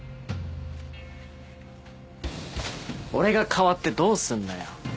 俺が変わってどうすんだよ。